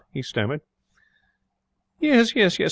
he stammered. 'Yes, yes, yes.